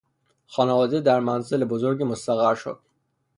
خانواده در منزل بزرگی مستقر شد.